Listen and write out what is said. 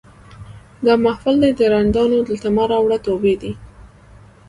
دا محفل دی د رندانو دلته مه راوړه توبې دي